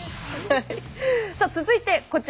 さあ続いてこちらです。